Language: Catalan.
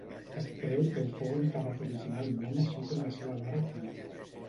Es creu que hi fou enterrat originalment així com la seva mare Tia.